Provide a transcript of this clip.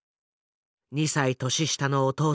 ２歳年下の弟